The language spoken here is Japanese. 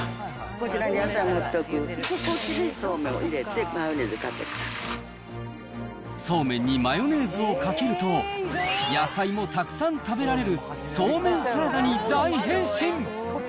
こちらに野菜盛っておく、こっちでそうめんを入れて、マヨネそうめんにマヨネーズをかけると、野菜もたくさん食べられるそうめんサラダに大変身。